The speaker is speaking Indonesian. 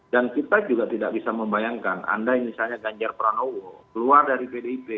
dan kita juga tidak bisa membayangkan andai misalnya ganjar pranowo keluar dari pdip